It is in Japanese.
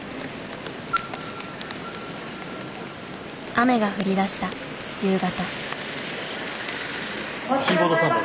雨が降りだした夕方。